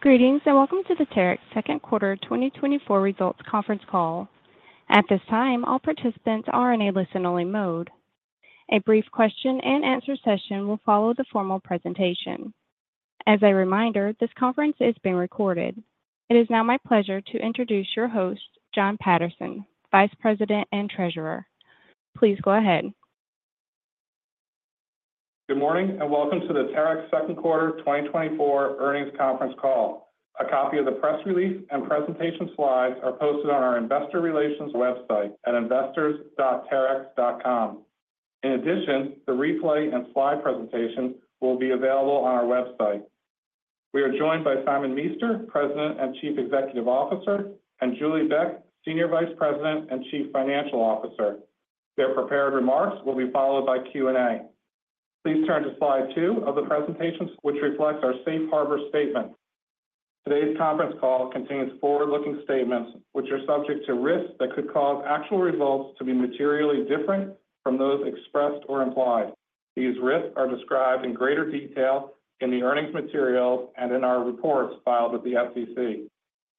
Greetings, and welcome to the Terex Second Quarter 2024 Results Conference Call. At this time, all participants are in a listen-only mode. A brief question-and-answer session will follow the formal presentation. As a reminder, this conference is being recorded. It is now my pleasure to introduce your host, Jon Paterson, Vice President and Treasurer. Please go ahead. Good morning, and welcome to the Terex Second Quarter 2024 Earnings Conference Call. A copy of the press release and presentation slides are posted on our investor relations website at investors.terex.com. In addition, the replay and slide presentation will be available on our website. We are joined by Simon Meester, President and Chief Executive Officer, and Julie Beck, Senior Vice President and Chief Financial Officer. Their prepared remarks will be followed by Q&A. Please turn to slide 2 of the presentations, which reflects our safe harbor statement. Today's conference call contains forward-looking statements, which are subject to risks that could cause actual results to be materially different from those expressed or implied. These risks are described in greater detail in the earnings materials and in our reports filed with the SEC.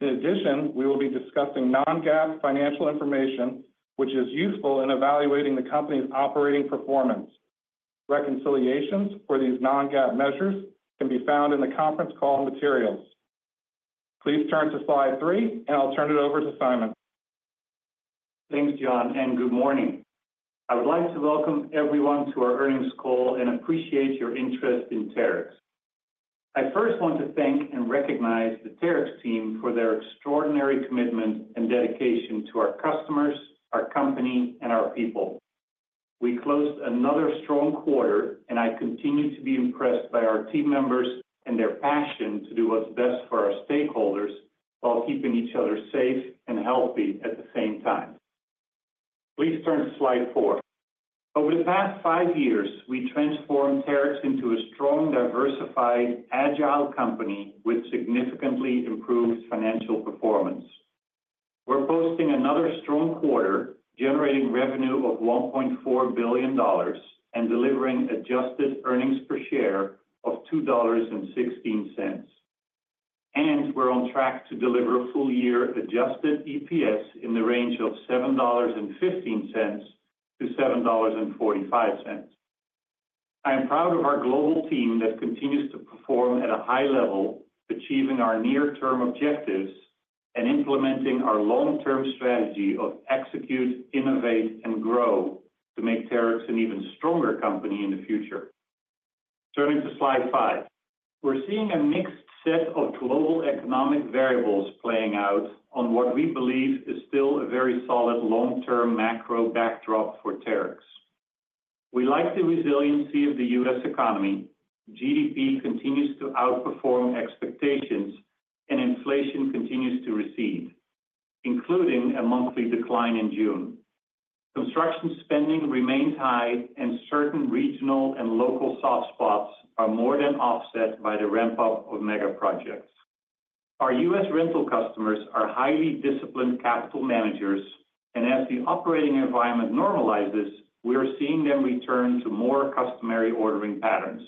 In addition, we will be discussing non-GAAP financial information, which is useful in evaluating the company's operating performance. Reconciliations for these non-GAAP measures can be found in the conference call materials. Please turn to slide 3, and I'll turn it over to Simon. Thanks, Jon, and good morning. I would like to welcome everyone to our earnings call and appreciate your interest in Terex. I first want to thank and recognize the Terex team for their extraordinary commitment and dedication to our customers, our company, and our people. We closed another strong quarter, and I continue to be impressed by our team members and their passion to do what's best for our stakeholders, while keeping each other safe and healthy at the same time. Please turn to slide four. Over the past five years, we transformed Terex into a strong, diversified, agile company with significantly improved financial performance. We're posting another strong quarter, generating revenue of $1.4 billion and delivering adjusted earnings per share of $2.16. We're on track to deliver full-year adjusted EPS in the range of $7.15-$7.45. I am proud of our global team that continues to perform at a high level, achieving our near-term objectives and implementing our long-term strategy of Execute, Innovate, and Grow to make Terex an even stronger company in the future. Turning to slide 5. We're seeing a mixed set of global economic variables playing out on what we believe is still a very solid long-term macro backdrop for Terex. We like the resiliency of the US economy. GDP continues to outperform expectations, and inflation continues to recede, including a monthly decline in June. Construction spending remains high, and certain regional and local soft spots are more than offset by the ramp-up of mega projects. Our US rental customers are highly disciplined capital managers, and as the operating environment normalizes, we are seeing them return to more customary ordering patterns.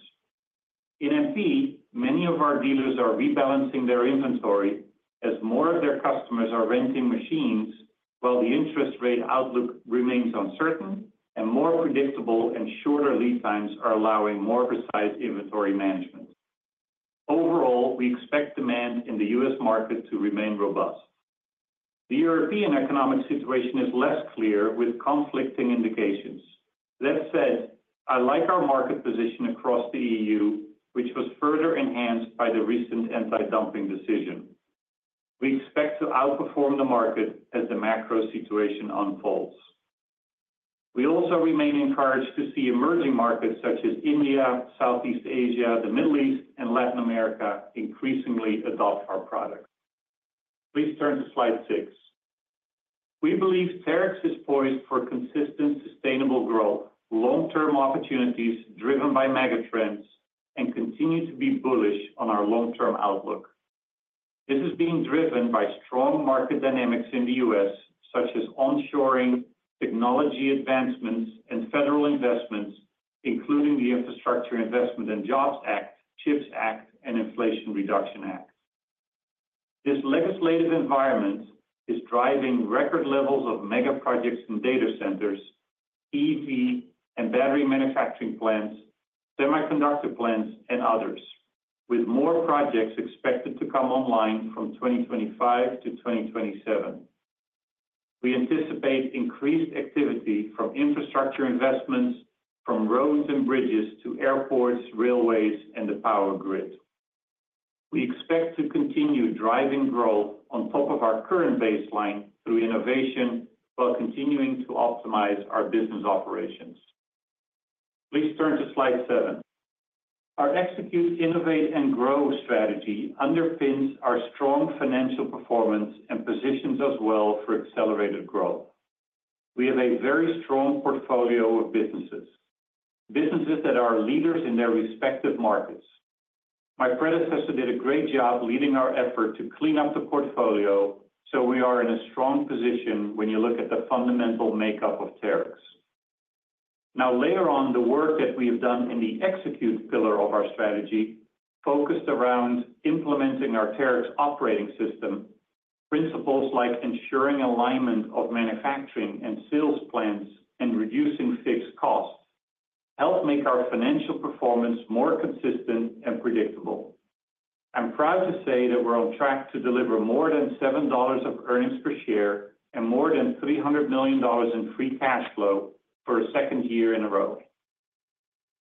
In MP, many of our dealers are rebalancing their inventory as more of their customers are renting machines, while the interest rate outlook remains uncertain, and more predictable and shorter lead times are allowing more precise inventory management. Overall, we expect demand in the US market to remain robust. The European economic situation is less clear with conflicting indications. That said, I like our market position across the EU, which was further enhanced by the recent anti-dumping decision. We expect to outperform the market as the macro situation unfolds. We also remain encouraged to see emerging markets such as India, Southeast Asia, the Middle East, and Latin America increasingly adopt our products. Please turn to slide 6. We believe Terex is poised for consistent, sustainable growth, long-term opportunities driven by mega trends, and continue to be bullish on our long-term outlook. This is being driven by strong market dynamics in the US, such as onshoring, technology advancements, and federal investments, including the Infrastructure Investment and Jobs Act, CHIPS Act, and Inflation Reduction Act. This legislative environment is driving record levels of mega projects in data centers, EV and battery manufacturing plants, semiconductor plants, and others, with more projects expected to come online from 2025 to 2027. We anticipate increased activity from infrastructure investments, from roads and bridges to airports, railways, and the power grid. We expect to continue driving growth on top of our current baseline through innovation, while continuing to optimize our business operations. Please turn to slide 7. Our Execute, Innovate, and Grow strategy underpins our strong financial performance and positions us well for accelerated growth. We have a very strong portfolio of businesses, businesses that are leaders in their respective markets. My predecessor did a great job leading our effort to clean up the portfolio, so we are in a strong position when you look at the fundamental makeup of Terex. Now, later on, the work that we have done in the execute pillar of our strategy focused around implementing our Terex Operating System. Principles like ensuring alignment of manufacturing and sales plans and reducing fixed costs, helped make our financial performance more consistent and predictable. I'm proud to say that we're on track to deliver more than $7 of earnings per share and more than $300 million in Free Cash Flow for a second year in a row.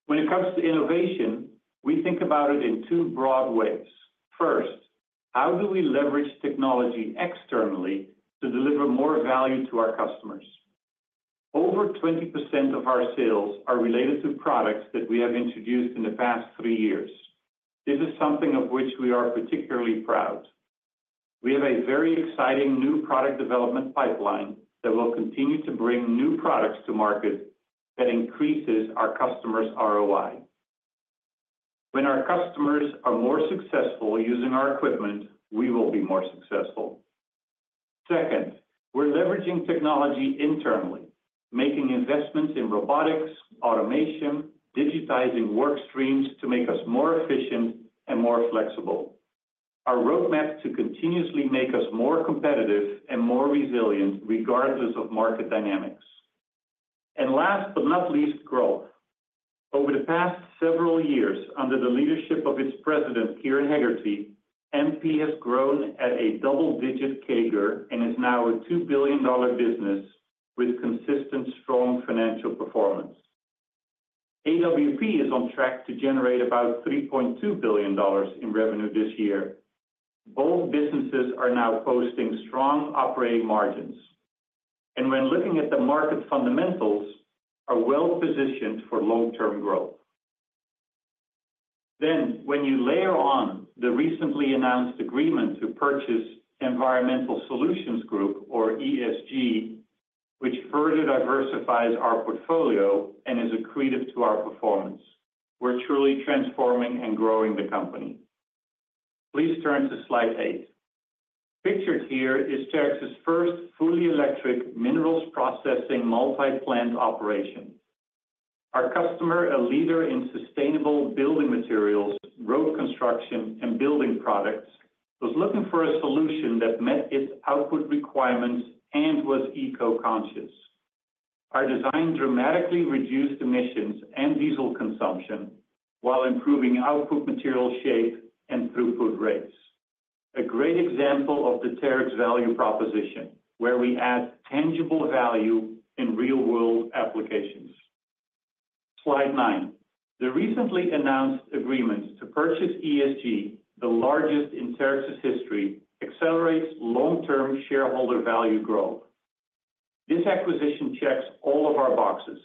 When it comes to innovation, we think about it in two broad ways. First, how do we leverage technology externally to deliver more value to our customers? Over 20% of our sales are related to products that we have introduced in the past three years. This is something of which we are particularly proud. We have a very exciting new product development pipeline that will continue to bring new products to market that increases our customers' ROI. When our customers are more successful using our equipment, we will be more successful. Second, we're leveraging technology internally, making investments in robotics, automation, digitizing work streams to make us more efficient and more flexible. Our roadmap to continuously make us more competitive and more resilient, regardless of market dynamics. And last but not least, growth. Over the past several years, under the leadership of its president, Kieran Hegarty, MP has grown at a double-digit CAGR and is now a $2 billion business with consistent, strong financial performance. AWP is on track to generate about $3.2 billion in revenue this year. Both businesses are now posting strong operating margins, and when looking at the market fundamentals, are well-positioned for long-term growth. Then, when you layer on the recently announced agreement to purchase Environmental Solutions Group or ESG, which further diversifies our portfolio and is accretive to our performance, we're truly transforming and growing the company. Please turn to slide 8. Pictured here is Terex's first fully electric minerals processing multi-plant operation. Our customer, a leader in sustainable building materials, road construction, and building products, was looking for a solution that met its output requirements and was eco-conscious. Our design dramatically reduced emissions and diesel consumption while improving output material shape and throughput rates. A great example of the Terex value proposition, where we add tangible value in real-world applications. Slide 9. The recently announced agreement to purchase ESG, the largest in Terex's history, accelerates long-term shareholder value growth. This acquisition checks all of our boxes.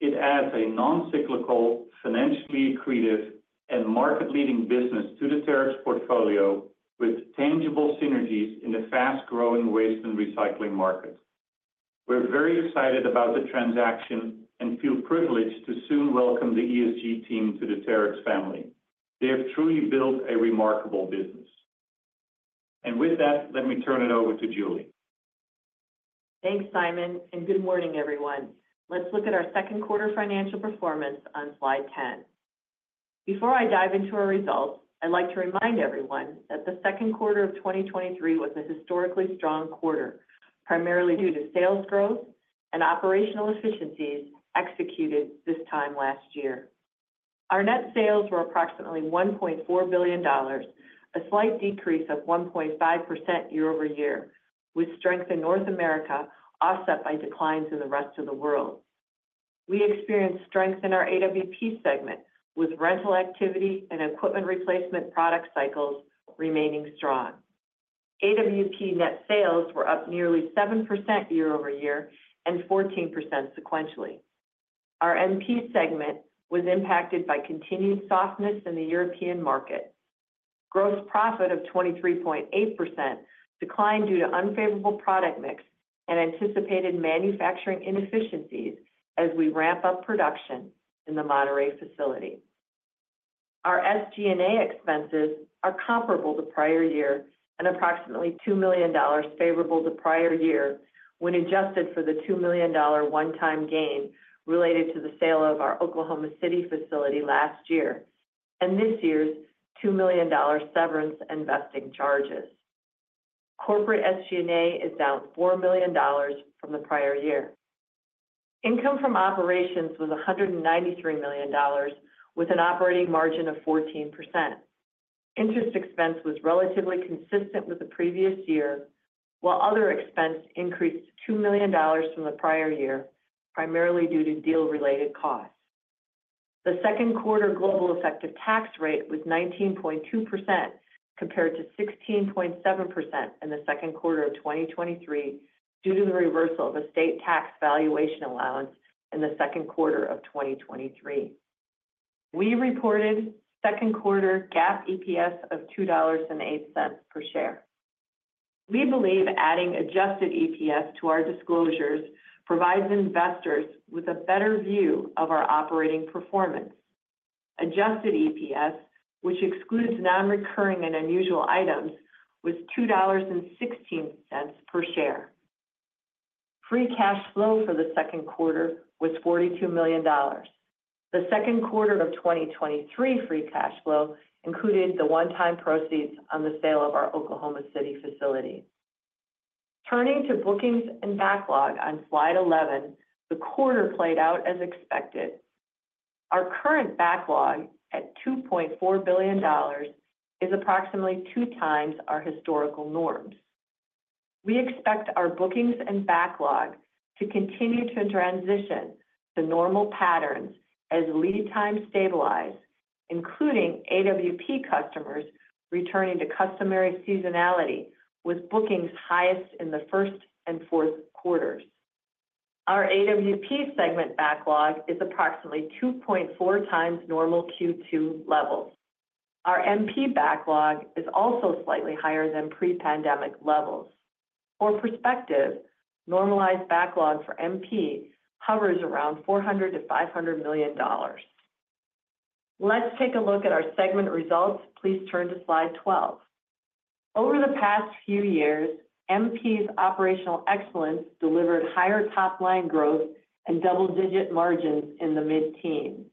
It adds a non-cyclical, financially accretive, and market-leading business to the Terex portfolio, with tangible synergies in the fast-growing waste and recycling market. We're very excited about the transaction and feel privileged to soon welcome the ESG team to the Terex family. They have truly built a remarkable business. And with that, let me turn it over to Julie. Thanks, Simon, and good morning, everyone. Let's look at our second quarter financial performance on slide 10. Before I dive into our results, I'd like to remind everyone that the second quarter of 2023 was a historically strong quarter, primarily due to sales growth and operational efficiencies executed this time last year. Our net sales were approximately $1.4 billion, a slight decrease of 1.5% year-over-year, with strength in North America, offset by declines in the rest of the world. We experienced strength in our AWP segment, with rental activity and equipment replacement product cycles remaining strong. AWP net sales were up nearly 7% year-over-year and 14% sequentially. Our MP segment was impacted by continued softness in the European market. Gross profit of 23.8% declined due to unfavorable product mix and anticipated manufacturing inefficiencies as we ramp up production in the Monterrey facility. Our SG&A expenses are comparable to prior year and approximately $2 million favorable to prior year, when adjusted for the $2 million one-time gain related to the sale of our Oklahoma City facility last year, and this year's $2 million severance and vesting charges. Corporate SG&A is down $4 million from the prior year. Income from operations was $193 million, with an operating margin of 14%. Interest expense was relatively consistent with the previous year, while other expense increased $2 million from the prior year, primarily due to deal-related costs. The second quarter global effective tax rate was 19.2%, compared to 16.7% in the second quarter of 2023, due to the reversal of a state tax valuation allowance in the second quarter of 2023. We reported second quarter GAAP EPS of $2.08 per share. We believe adding adjusted EPS to our disclosures provides investors with a better view of our operating performance.... adjusted EPS, which excludes non-recurring and unusual items, was $2.16 per share. Free cash flow for the second quarter was $42 million. The second quarter of 2023 free cash flow included the one-time proceeds on the sale of our Oklahoma City facility. Turning to bookings and backlog on slide 11, the quarter played out as expected. Our current backlog, at $2.4 billion, is approximately 2 times our historical norms. We expect our bookings and backlog to continue to transition to normal patterns as lead times stabilize, including AWP customers returning to customary seasonality, with bookings highest in the first and fourth quarters. Our AWP segment backlog is approximately 2.4x normal Q2 levels. Our MP backlog is also slightly higher than pre-pandemic levels. For perspective, normalized backlog for MP hovers around $400 million-$500 million. Let's take a look at our segment results. Please turn to slide 12. Over the past few years, MP's operational excellence delivered higher top-line growth and double-digit margins in the mid-teens.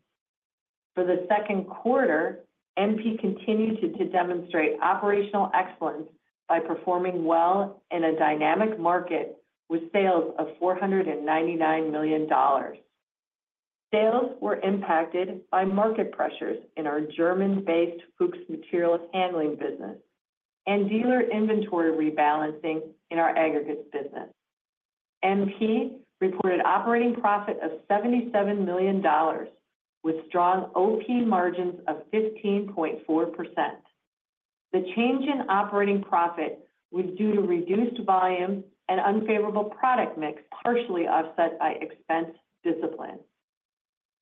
For the second quarter, MP continued to demonstrate operational excellence by performing well in a dynamic market with sales of $499 million. Sales were impacted by market pressures in our German-based Fuchs material handling business and dealer inventory rebalancing in our aggregates business. MP reported operating profit of $77 million, with strong OP margins of 15.4%. The change in operating profit was due to reduced volume and unfavorable product mix, partially offset by expense discipline.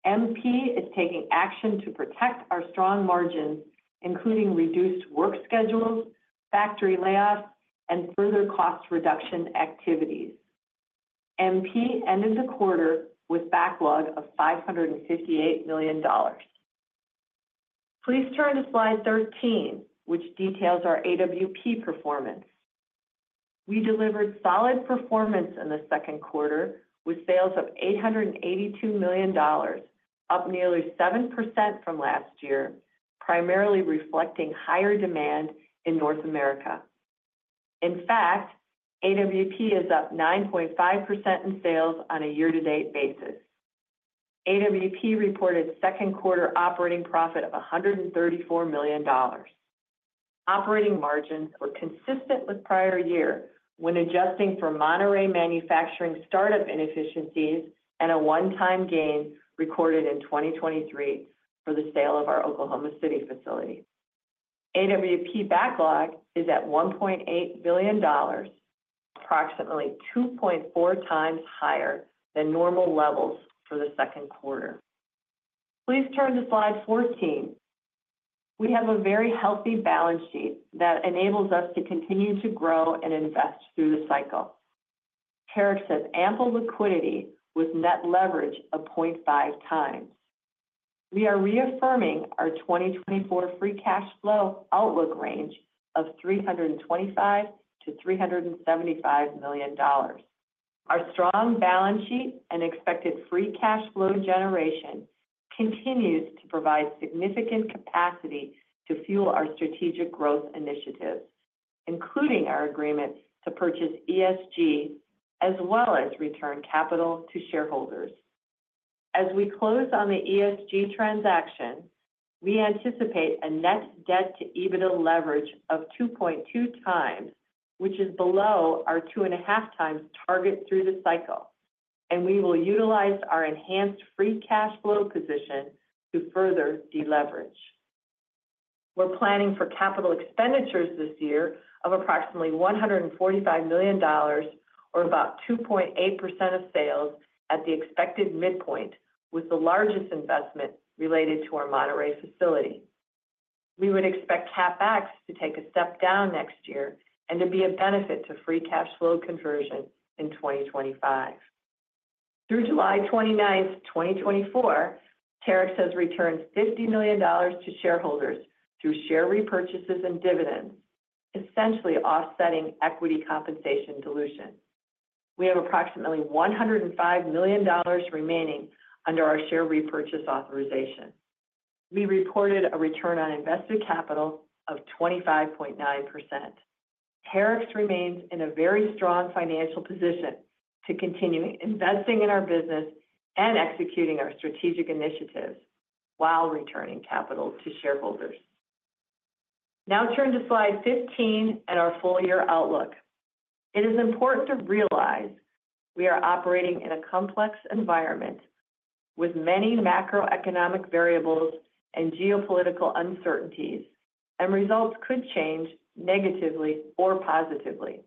MP is taking action to protect our strong margins, including reduced work schedules, factory layoffs, and further cost reduction activities. MP ended the quarter with backlog of $558 million. Please turn to slide 13, which details our AWP performance. We delivered solid performance in the second quarter, with sales of $882 million, up nearly 7% from last year, primarily reflecting higher demand in North America. In fact, AWP is up 9.5% in sales on a year-to-date basis. AWP reported second quarter operating profit of $134 million. Operating margins were consistent with prior year when adjusting for Monterrey manufacturing startup inefficiencies and a one-time gain recorded in 2023 for the sale of our Oklahoma City facility. AWP backlog is at $1.8 billion, approximately 2.4x higher than normal levels for the second quarter. Please turn to slide 14. We have a very healthy balance sheet that enables us to continue to grow and invest through the cycle. Terex has ample liquidity with net leverage of 0.5x. We are reaffirming our 2024 free cash flow outlook range of $325 million-$375 million. Our strong balance sheet and expected free cash flow generation continues to provide significant capacity to fuel our strategic growth initiatives, including our agreement to purchase ESG, as well as return capital to shareholders. As we close on the ESG transaction, we anticipate a net debt to EBITDA leverage of 2.2x, which is below our 2.5x target through the cycle, and we will utilize our enhanced free cash flow position to further deleverage. We're planning for capital expenditures this year of approximately $145 million, or about 2.8% of sales at the expected midpoint, with the largest investment related to our Monterrey facility. We would expect CapEx to take a step-down next year and to be a benefit to free cash flow conversion in 2025. Through July 29, 2024, Terex has returned $50 million to shareholders through share repurchases and dividends, essentially offsetting equity compensation dilution. We have approximately $105 million remaining under our share repurchase authorization. We reported a return on invested capital of 25.9%. Terex remains in a very strong financial position to continue investing in our business and executing our strategic initiatives while returning capital to shareholders. Now turn to slide 15 and our full year outlook. It is important to realize we are operating in a complex environment with many macroeconomic variables and geopolitical uncertainties, and results could change negatively or positively.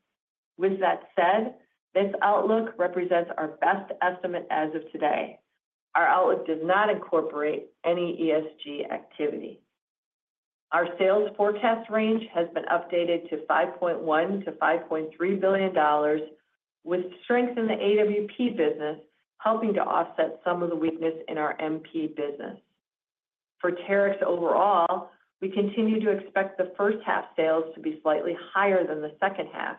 With that said, this outlook represents our best estimate as of today. Our outlook does not incorporate any ESG activity. Our sales forecast range has been updated to $5.1 billion-$5.3 billion, with strength in the AWP business helping to offset some of the weakness in our MP business. For Terex overall, we continue to expect the first half sales to be slightly higher than the second half,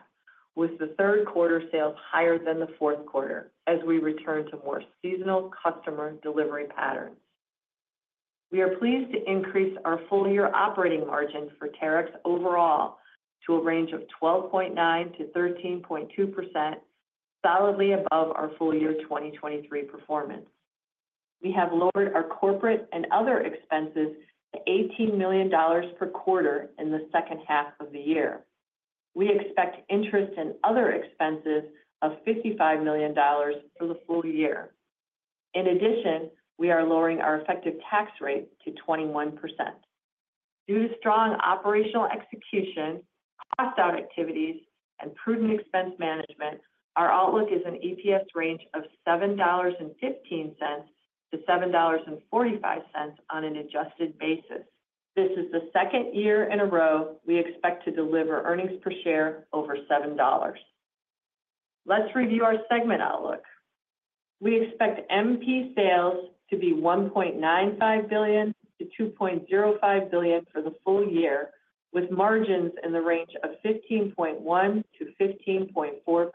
with the third quarter sales higher than the fourth quarter as we return to more seasonal customer delivery patterns. We are pleased to increase our full-year operating margin for Terex overall to a range of 12.9%-13.2%, solidly above our full year 2023 performance. We have lowered our corporate and other expenses to $18 million per quarter in the second half of the year. We expect interest and other expenses of $55 million for the full year. In addition, we are lowering our effective tax rate to 21%. Due to strong operational execution, cost-out activities, and prudent expense management, our outlook is an EPS range of $7.15-$7.45 on an adjusted basis. This is the second year in a row we expect to deliver earnings per share over $7. Let's review our segment outlook. We expect MP sales to be $1.95 billion-$2.05 billion for the full year, with margins in the range of 15.1%-15.4%.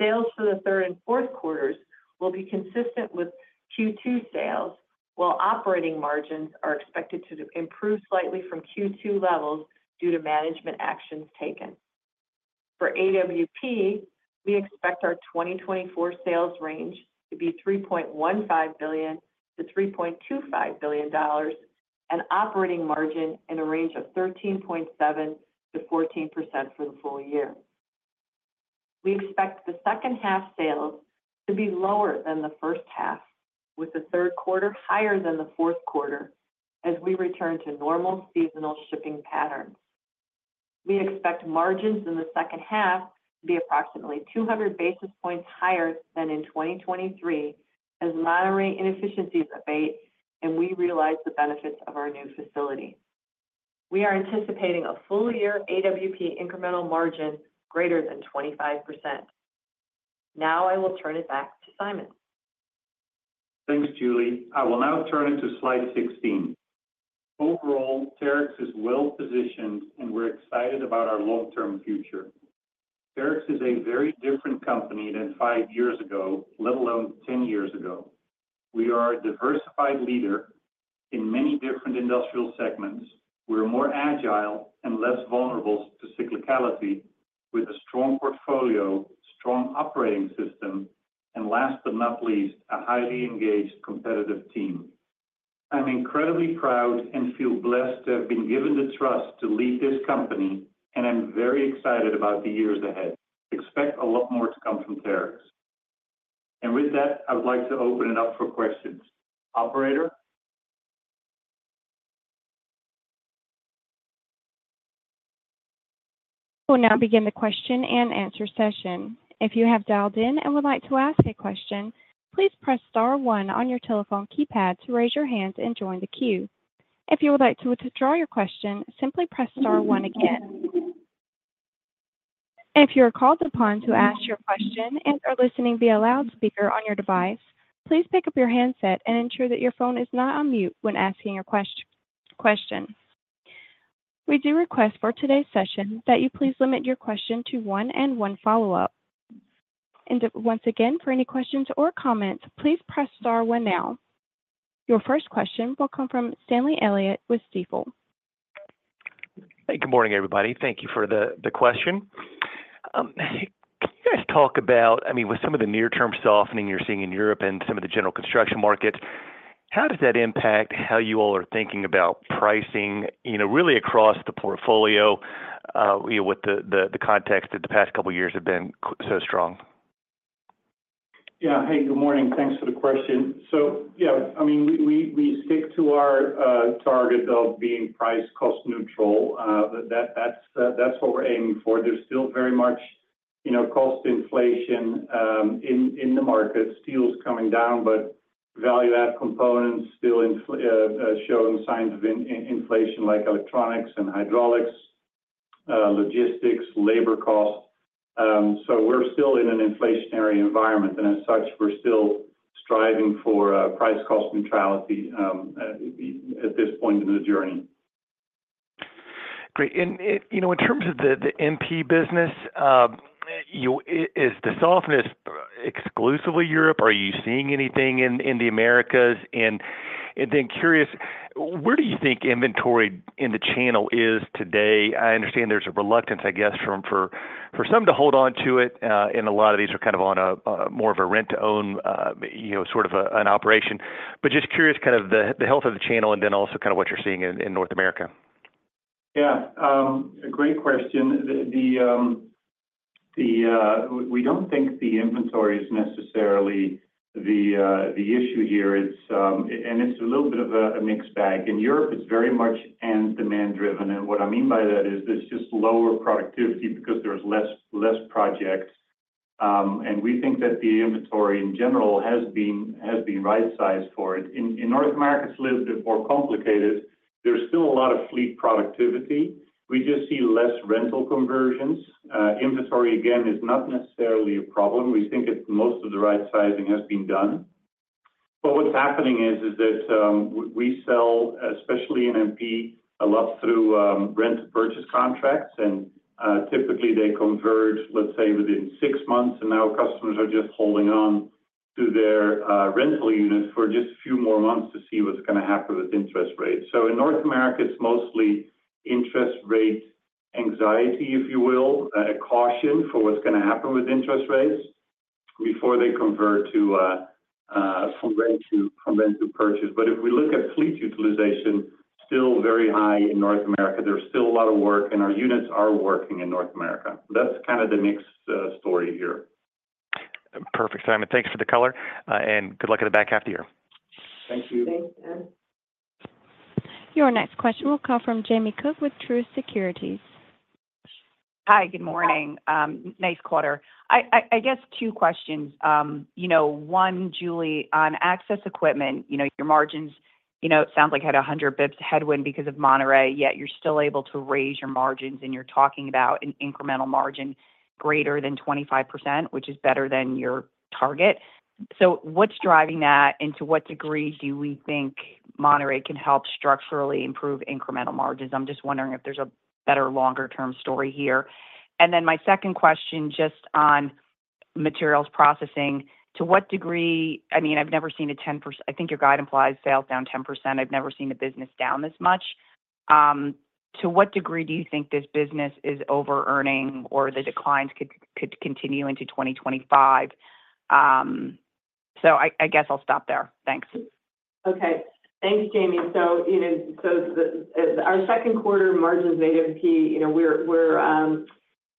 Sales for the third and fourth quarters will be consistent with Q2 sales, while operating margins are expected to improve slightly from Q2 levels due to management actions taken. For AWP, we expect our 2024 sales range to be $3.15 billion-$3.25 billion, and operating margin in a range of 13.7%-14% for the full year. We expect the second half sales to be lower than the first half, with the third quarter higher than the fourth quarter as we return to normal seasonal shipping patterns. We expect margins in the second half to be approximately 200 basis points higher than in 2023, as moderate inefficiencies abate, and we realize the benefits of our new facility. We are anticipating a full year AWP incremental margin greater than 25%. Now, I will turn it back to Simon. Thanks, Julie. I will now turn to slide 16. Overall, Terex is well positioned, and we're excited about our long-term future. Terex is a very different company than five years ago, let alone 10 years ago. We are a diversified leader in many different industrial segments. We're more agile and less vulnerable to cyclicality, with a strong portfolio, strong operating system, and last but not least, a highly engaged, competitive team. I'm incredibly proud and feel blessed to have been given the trust to lead this company, and I'm very excited about the years ahead. Expect a lot more to come from Terex. With that, I would like to open it up for questions. Operator? We'll now begin the question and answer session. If you have dialed in and would like to ask a question, please press star one on your telephone keypad to raise your hand and join the queue. If you would like to withdraw your question, simply press star one again. If you are called upon to ask your question and are listening via loudspeaker on your device, please pick up your handset and ensure that your phone is not on mute when asking your question. We do request for today's session that you please limit your question to one and one follow-up. Once again, for any questions or comments, please press star one now. Your first question will come from Stanley Elliott with Stifel. Hey, good morning, everybody. Thank you for the question. Can you guys talk about, I mean, with some of the near-term softening you're seeing in Europe and some of the general construction markets, how does that impact how you all are thinking about pricing, you know, really across the portfolio, you know, with the context that the past couple of years have been so strong? Yeah. Hey, good morning. Thanks for the question. So, yeah, I mean, we stick to our target of being price cost neutral. That's what we're aiming for. There's still very much, you know, cost inflation in the market. Steel's coming down, but value-add components still showing signs of inflation, like electronics and hydraulics, logistics, labor costs. So, we're still in an inflationary environment, and as such, we're still striving for price cost neutrality at this point in the journey. Great. And, you know, in terms of the, the MP business, is the softness exclusively Europe, or are you seeing anything in, in the Americas? And then curious, where do you think inventory in the channel is today? I understand there's a reluctance, I guess, from some to hold on to it, and a lot of these are kind of on a more of a rent-to-own, you know, sort of an operation. But just curious, kind of the, the health of the channel, and then also kind of what you're seeing in, in North America. Yeah. A great question. We don't think the inventory is necessarily the issue here. It's a little bit of a mixed bag. In Europe, it's very much end demand driven, and what I mean by that is there's just lower productivity because there's less projects. And we think that the inventory in general has been right size for it. In North America, it's a little bit more complicated. There's still a lot of fleet productivity. We just see less rental conversions. Inventory, again, is not necessarily a problem. We think it's most of the right sizing has been done. But what's happening is that we sell, especially in MP, a lot through rent-to-purchase contracts, and typically, they convert, let's say, within six months, and now customers are just holding on to their rental units for just a few more months to see what's gonna happen with interest rates. So in North America, it's mostly interest rate anxiety, if you will, a caution for what's gonna happen with interest rates before they convert to from rent to purchase. But if we look at fleet utilization, still very high in North America. There's still a lot of work, and our units are working in North America. That's kind of the mixed story here. Perfect, Simon. Thanks for the color, and good luck at the back half of the year. Thank you. Thanks, Dan. Your next question will come from Jamie Cook with Truist Securities. Hi, good morning. Nice quarter. I guess two questions. You know, one, Julie, on access equipment, you know, your margins, you know, it sounds like had a 100-basis points headwind because of Monterrey, yet you're still able to raise your margins, and you're talking about an incremental margin greater than 25%, which is better than your target. So, what's driving that, and to what degree do we think Monterrey can help structurally improve incremental margins? I'm just wondering if there's a better longer-term story here. And then my second question, just on materials processing. To what degree, I mean, I've never seen a 10%, I think your guide implies sales down 10%. I've never seen the business down this much. To what degree do you think this business is over-earning, or the declines could continue into 2025? So, I guess I'll stop there. Thanks. Okay. Thanks, Jamie. So, you know, so the our second quarter margins, AWP, you know, we're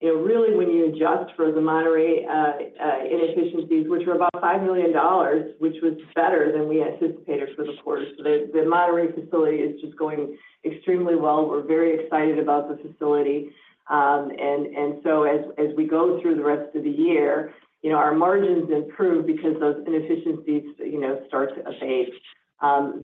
really, when you adjust for the Monterrey inefficiencies, which were about $5 million, which was better than we anticipated for the quarter. So the Monterrey facility is just going extremely well. We're very excited about the facility. And so as we go through the rest of the year, you know, our margins improve because those inefficiencies, you know, start to abate.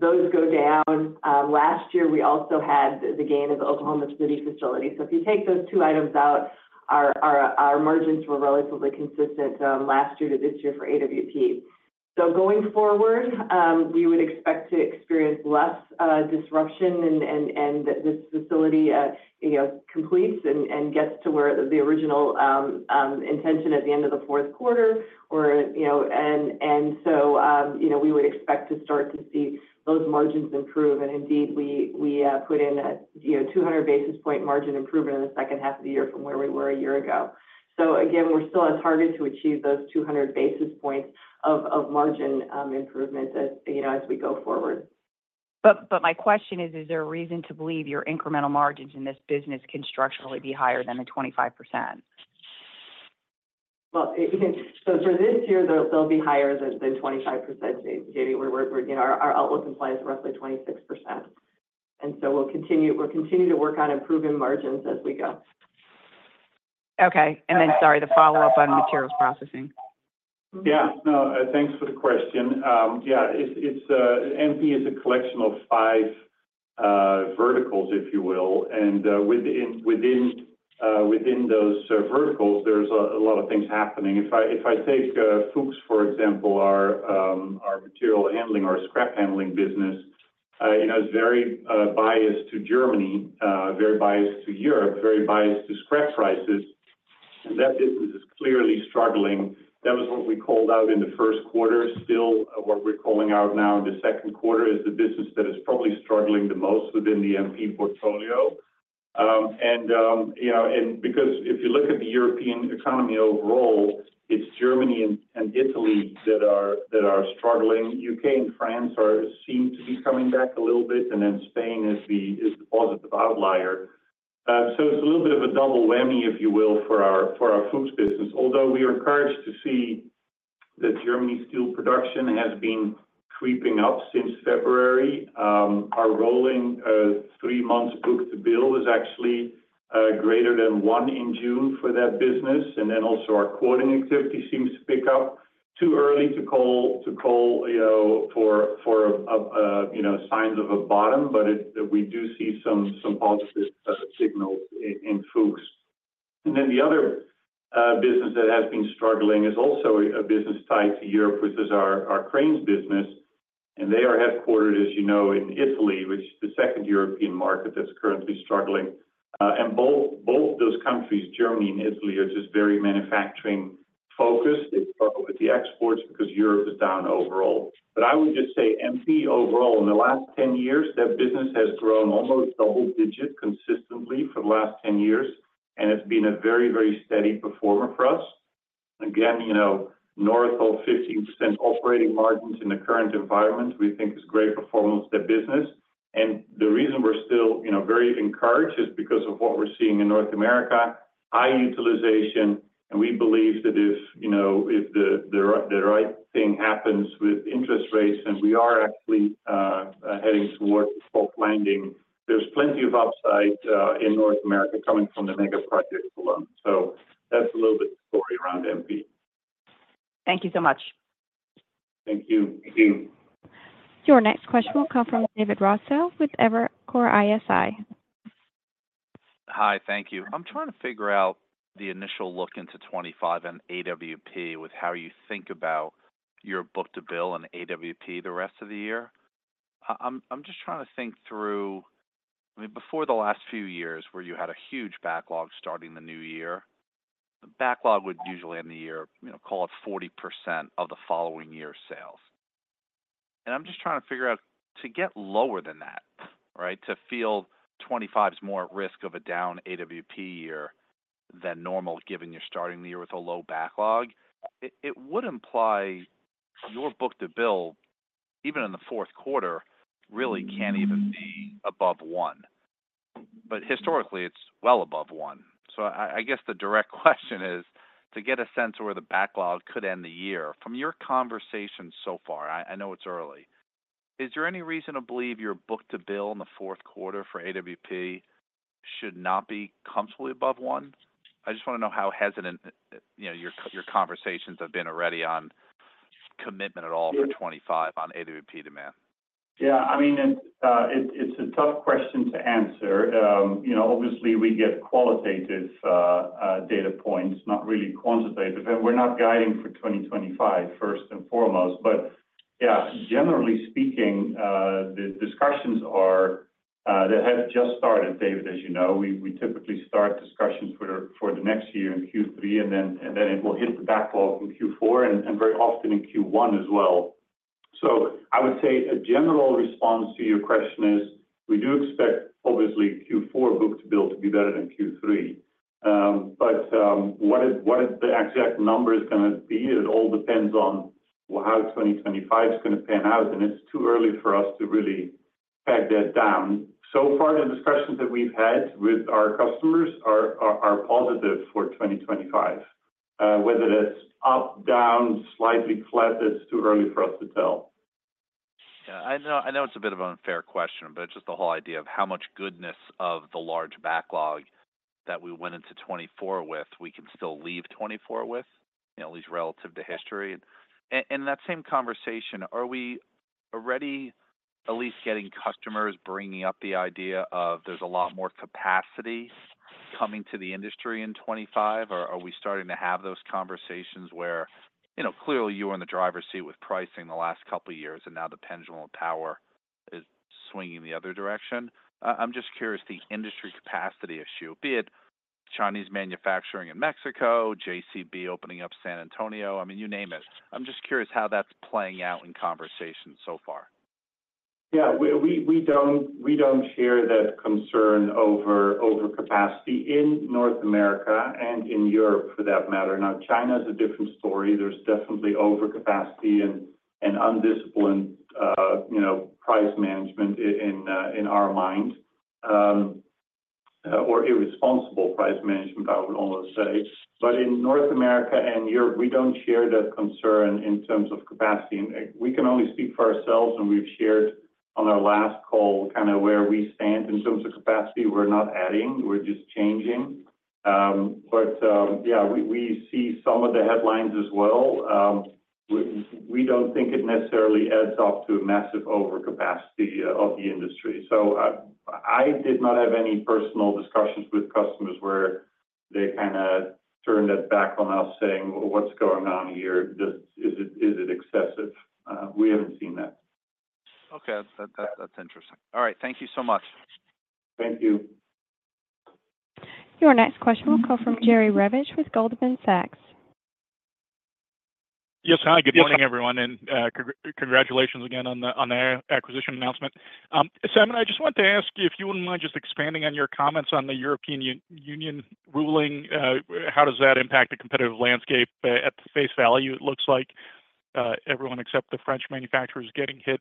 Those go down. Last year, we also had the gain of the Oklahoma City facility. So, if you take those two items out, our margins were relatively consistent last year to this year for AWP. So going forward, we would expect to experience less disruption and this facility, you know, completes and gets to where the original intention at the end of the fourth quarter or, you know. And so, you know, we would expect to start to see those margins improve. And indeed, we put in a, you know, 200 basis point margin improvement in the second half of the year from where we were a year ago. So again, we're still on target to achieve those 200 basis points of margin improvement as, you know, as we go forward. But, my question is, is there a reason to believe your incremental margins in this business can structurally be higher than the 25%? Well, so for this year, they'll be higher than 25%, Jamie. We're, you know, our outlook implies roughly 26%, and so we'll continue to work on improving margins as we go. Okay. Sorry, the follow-up on materials processing. Yeah. No, thanks for the question. Yeah, it's, it's MP is a collection of five verticals, if you will, and within those verticals, there's a lot of things happening. If I take Fuchs, for example, our material handling, our scrap handling business, you know, is very biased to Germany, very biased to Europe, very biased to scrap prices. That business is clearly struggling. That was what we called out in the first quarter. Still, what we're calling out now in the second quarter is the business that is probably struggling the most within the MP portfolio. And you know, and because if you look at the European economy overall, it's Germany and Italy that are struggling. UK and France seem to be coming back a little bit, and then Spain is the positive outlier. So it's a little bit of a double whammy, if you will, for our Fuchs business. Although we are encouraged to see that Germany steel production has been creeping up since February. Our rolling three months book-to-bill is actually greater than one in June for that business, and then also our quoting activity seems to pick up. Too early to call, you know, for a you know signs of a bottom, but it we do see some positive signals in Fuchs. And then the other business that has been struggling is also a business tied to Europe, which is our cranes business, and they are headquartered, as you know, in Italy, which is the second European market that's currently struggling. And both those countries, Germany and Italy, are just very manufacturing focused. It's struggling with the exports because Europe is down overall. But I would just say MP overall, in the last 10 years, that business has grown almost a whole digit consistently for the last 10 years, and it's been a very, very steady performer for us. Again, you know, north of 15% operating margins in the current environment, we think is great performance to the business. The reason we're still, you know, very encouraged is because of what we're seeing in North America, high utilization, and we believe that if, you know, if the right thing happens with interest rates, and we are actually heading towards soft landing, there's plenty of upside in North America coming from the mega projects alone. So that's a little bit of story around MP. Thank you so much. Thank you. Thank you. Your next question will come from David Raso with Evercore ISI. Hi, thank you. I'm trying to figure out the initial look into 25 and AWP with how you think about your book-to-bill and AWP the rest of the year. I'm just trying to think through, I mean, before the last few years, where you had a huge backlog starting the new year, the backlog would usually end the year, you know, call it 40% of the following year's sales. I'm just trying to figure out, to get lower than that, right? To feel 25 is more at risk of a down AWP year than normal, given you're starting the year with a low backlog, it would imply your book-to-bill, even in the fourth quarter, really can't even be above one. But historically, it's well above one. So, I guess, the direct question is to get a sense of where the backlog could end the year. From your conversations so far, I know it's early. Is there any reason to believe your book-to-bill in the fourth quarter for AWP should not be comfortably above one? I just want to know how hesitant, you know, your conversations have been already on commitment at all for 2025 on AWP demand. Yeah, I mean, and it's a tough question to answer. You know, obviously, we get qualitative data points, not really quantitative, and we're not guiding for 2025, first and foremost. But yeah, generally speaking, the discussions are, they have just started, David, as you know. We typically start discussions for the next year in Q3, and then it will hit the backlog in Q4 and very often in Q1 as well. So, I would say a general response to your question is, we do expect, obviously, Q4 book-to-bill to be better than Q3. But what is the exact number gonna be? It all depends on, well, how 2025 is gonna pan out, and it's too early for us to really peg that down. So far, the discussions that we've had with our customers are positive for 2025. Whether that's up, down, slightly flat, it's too early for us to tell. Yeah, I know, I know it's a bit of an unfair question, but just the whole idea of how much goodness of the large backlog that we went into 2024 with, we can still leave 2024 with, at least relative to history. And, and in that same conversation, are we already at least getting customers bringing up the idea of there's a lot more capacity coming to the industry in 2025, or are we starting to have those conversations where, you know, clearly you were in the driver's seat with pricing the last couple of years, and now the pendulum of power is swinging the other direction? I'm just curious, the industry capacity issue, be it Chinese manufacturing in Mexico, JCB opening up San Antonio, I mean, you name it. I'm just curious how that's playing out in conversations so far. Yeah, we don't hear that concern over overcapacity in North America and in Europe, for that matter. Now, China is a different story. There's definitely overcapacity and undisciplined, you know, price management in our mind, or irresponsible price management, I would almost say. But in North America and Europe, we don't share that concern in terms of capacity. We can only speak for ourselves, and we've shared on our last call kinda where we stand in terms of capacity. We're not adding, we're just changing. Yeah, we see some of the headlines as well. We don't think it necessarily adds up to a massive overcapacity of the industry. So I did not have any personal discussions with customers where they kinda turned it back on us, saying, "What's going on here? Is it, is it excessive? We haven't seen that." Okay. That's interesting. All right. Thank you so much. Thank you. Your next question will come from Jerry Revich with Goldman Sachs. Yes. Hi, good morning, everyone, and congratulations again on the, on the acquisition announcement. Simon, I just wanted to ask you if you wouldn't mind just expanding on your comments on the European Union ruling. How does that impact the competitive landscape? At face value, it looks like, everyone except the French manufacturer is getting hit,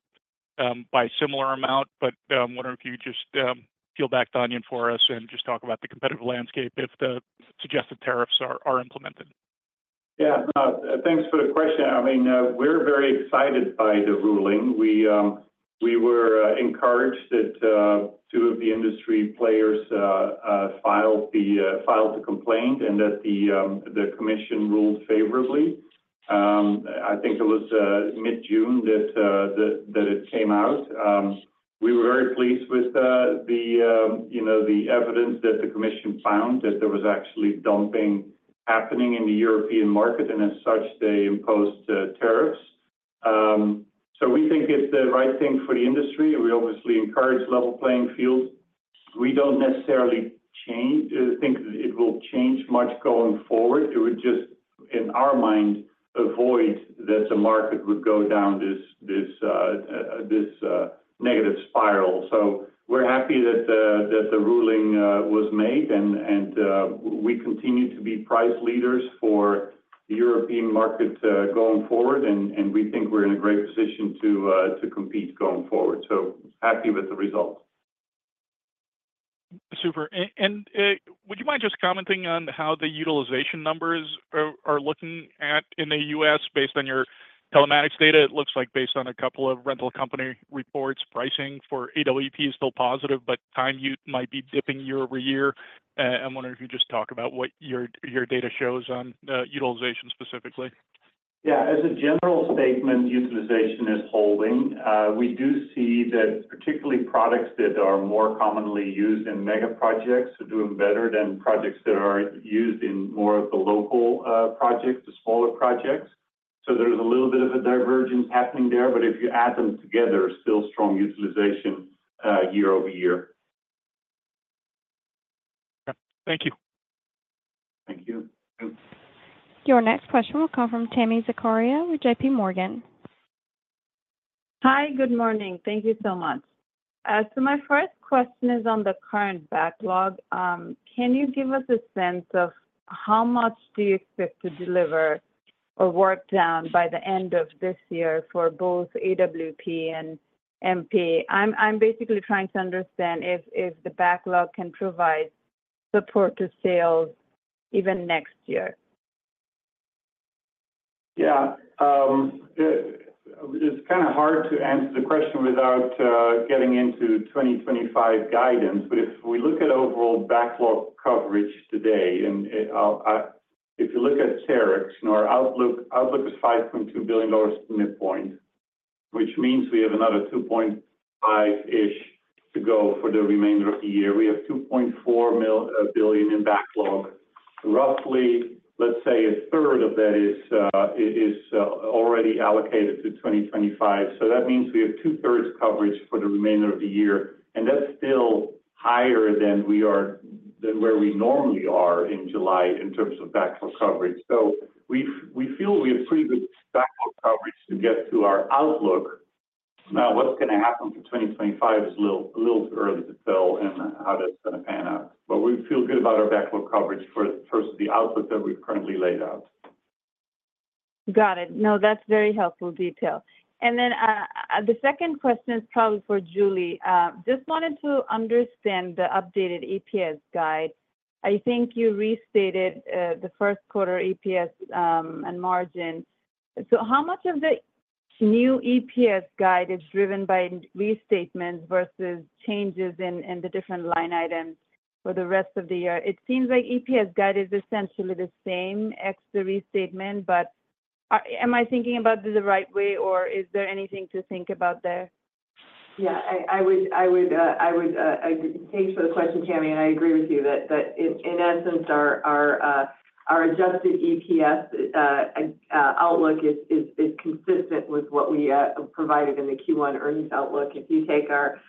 by a similar amount, but I'm wondering if you just, peel back the onion for us and just talk about the competitive landscape if the suggested tariffs are, implemented. Yeah. Thanks for the question. I mean, we're very excited by the ruling. We were encouraged that two of the industry players filed the complaint and that the commission ruled favorably. I think it was mid-June that it came out. We were very pleased with the, you know, the evidence that the commission found that there was actually dumping happening in the European market, and as such, they imposed tariffs. So we think it's the right thing for the industry, and we obviously encourage level playing fields. We don't necessarily think it will change much going forward. It would just, in our mind, avoid that the market would go down this negative spiral. So, we're happy that the ruling was made, and we continue to be price leaders for the European market going forward, and we think we're in a great position to compete going forward. So happy with the results. Super. And would you mind just commenting on how the utilization numbers are looking at in the US based on your telematics data? It looks like based on a couple of rental company reports, pricing for AWP is still positive, but time use might be dipping year-over-year. I'm wondering if you just talk about what your data shows on utilization specifically. Yeah, as a general statement, utilization is holding. We do see that particularly products that are more commonly used in mega projects are doing better than products that are used in more of the local projects, the smaller projects. So, there's a little bit of a divergence happening there, but if you add them together, still strong utilization, year-over-year. Thank you. Thank you. Your next question will come from Tami Zakaria with JPMorgan. Hi, good morning. Thank you so much. So, my first question is on the current backlog. Can you give us a sense of how much do you expect to deliver or work down by the end of this year for both AWP and MP? I'm basically trying to understand if the backlog can provide support to sales even next year. Yeah, it's kind of hard to answer the question without getting into 2025 guidance. But if we look at overall backlog coverage today, and if you look at Terex and our outlook, outlook is $5.2 billion midpoint, which means we have another 2.5-ish to go for the remainder of the year. We have $2.4 billion in backlog. Roughly, let's say 1/3 of that is already allocated to 2025. So that means we have 2/3 coverage for the remainder of the year, and that's still higher than where we normally are in July in terms of backlog coverage. So, we feel we have pretty good backlog coverage to get to our outlook. Now, what's gonna happen for 2025 is a little early to tell in how that's gonna pan out. But we feel good about our backlog coverage for towards the outlook that we've currently laid out. Got it. No, that's very helpful detail. And then, the second question is probably for Julie. Just wanted to understand the updated EPS guide. I think you restated, the first quarter EPS, and margin. So how much of the new EPS guide is driven by restatements versus changes in the different line items for the rest of the year? It seems like EPS guide is essentially the same as the restatement, but, am I thinking about it the right way, or is there anything to think about there? Yeah, I would. Thanks for the question, Tami, and I agree with you that in essence, our adjusted EPS outlook is consistent with what we provided in the Q1 earnings outlook. If you take our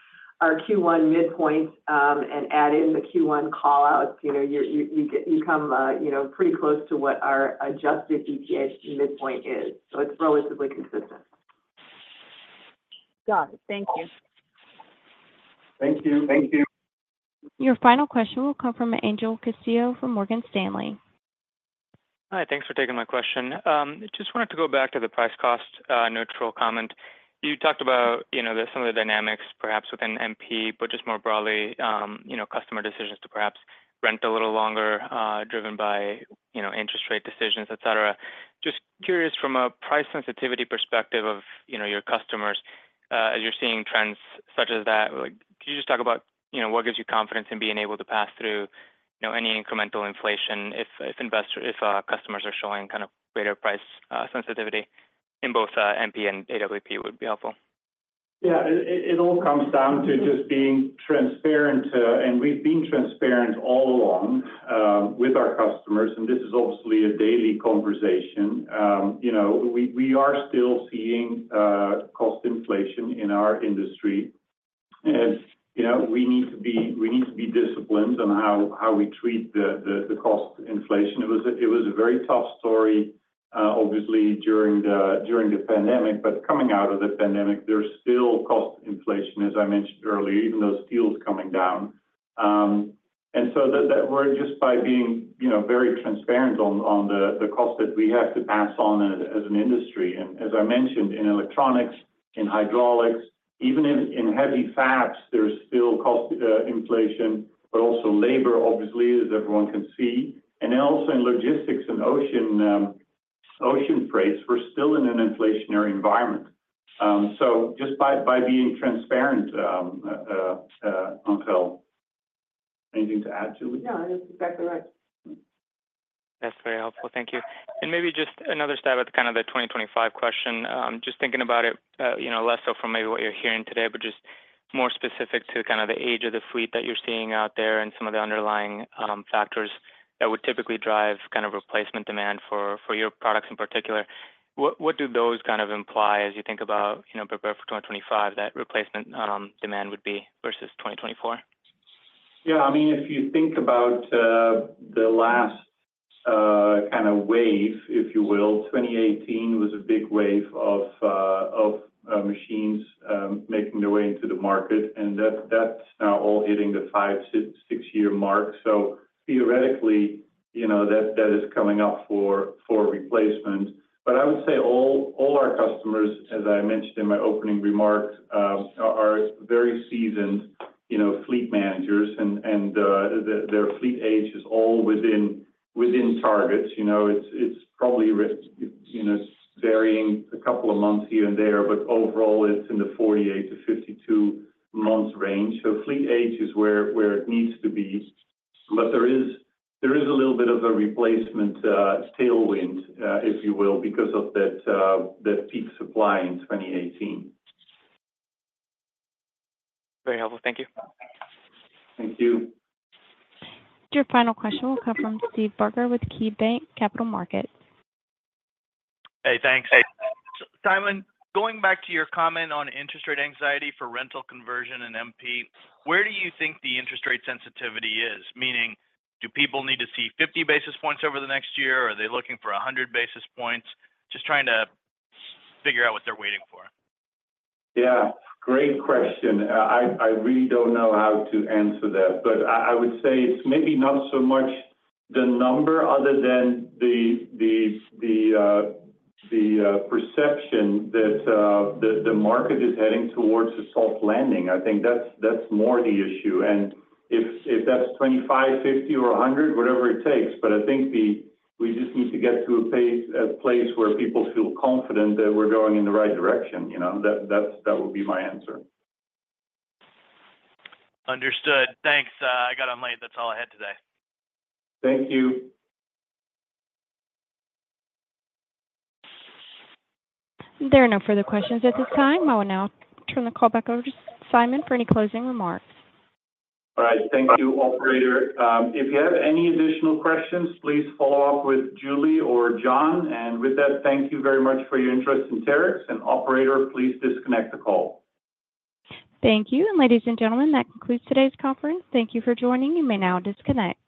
Q1 midpoint and add in the Q1 callouts, you know, you come pretty close to what our adjusted EPS midpoint is, so it's relatively consistent. Got it. Thank you. Thank you. Thank you. Your final question will come from Angel Castillo from Morgan Stanley. Hi, thanks for taking my question. Just wanted to go back to the price-cost neutral comment. You talked about, you know, some of the dynamics perhaps within MP, but just more broadly, you know, customer decisions to perhaps rent a little longer, driven by, you know, interest rate decisions, et cetera. Just curious, from a price sensitivity perspective of, you know, your customers, as you're seeing trends such as that, like, can you just talk about, you know, what gives you confidence in being able to pass through, you know, any incremental inflation if customers are showing kind of greater price sensitivity in both MP and AWP? That would be helpful. Yeah, it all comes down to just being transparent, and we've been transparent all along, with our customers, and this is obviously a daily conversation. You know, we are still seeing cost inflation in our industry. And, you know, we need to be disciplined on how we treat the cost inflation. It was a very tough story, obviously, during the pandemic. But coming out of the pandemic, there's still cost inflation, as I mentioned earlier, even though steel's coming down. And so that we're just by being, you know, very transparent on the cost that we have to pass on as an industry. As I mentioned, in electronics, in hydraulics, even in heavy parts, there is still cost inflation, but also labor, obviously, as everyone can see. Also, in logistics and ocean trades, we're still in an inflationary environment. So just by being transparent, Angel, anything to add, Julie? No, I think that's right. That's very helpful. Thank you. Maybe just another stab at kind of the 2025 question. Just thinking about it, you know, less so from maybe what you're hearing today, but just more specific to kind of the age of the fleet that you're seeing out there and some of the underlying factors that would typically drive kind of replacement demand for, for your products in particular. What, what do those kind of imply as you think about, you know, prepare for 2025, that replacement demand would be versus 2024? Yeah, I mean, if you think about the last kind of wave, if you will, 2018 was a big wave of machines making their way into the market, and that's now all hitting the 5-6-year mark. So theoretically, you know, that is coming up for replacement. But I would say all our customers, as I mentioned in my opening remarks, are very seasoned, you know, fleet managers, and their fleet age is all within targets. You know, it's probably, you know, varying a couple of months here and there, but overall, it's in the 48-52-month range. Fleet age is where it needs to be, but there is a little bit of a replacement tailwind, if you will, because of that, that peak supply in 2018. Very helpful. Thank you. Thank you. Your final question will come from Steve Barger with KeyBanc Capital Markets. Hey, thanks. Simon, going back to your comment on interest rate anxiety for rental conversion and MP, where do you think the interest rate sensitivity is? Meaning, do people need to see 50 basis points over the next year, or are they looking for a 100 basis points? Just trying to figure out what they're waiting for. Yeah, great question. I really don't know how to answer that, but I would say it's maybe not so much the number other than the perception that the market is heading towards a soft landing. I think that's more the issue. And if that's 25, 50, or 100, whatever it takes, but I think we just need to get to a place, a place where people feel confident that we're going in the right direction, you know? That would be my answer. Understood. Thanks. I got on late. That's all I had today. Thank you. There are no further questions at this time. I will now turn the call back over to Simon for any closing remarks. All right. Thank you, operator. If you have any additional questions, please follow up with Julie or John. And with that, thank you very much for your interest in Terex, and operator, please disconnect the call. Thank you. Ladies and gentlemen, that concludes today's conference. Thank you for joining. You may now disconnect.